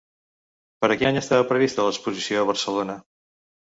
Per a quin any estava prevista l'exposició a Barcelona?